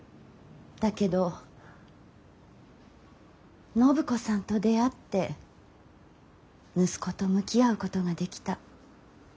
だけど暢子さんと出会って息子と向き合うことができた。